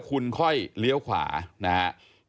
ก็ต้องมาถึงจุดตรงนี้ก่อนใช่ไหม